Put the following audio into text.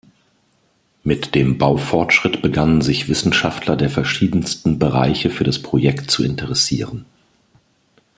Mit dem Baufortschritt begannen sich Wissenschaftler der verschiedensten Bereiche für das Projekt zu interessieren.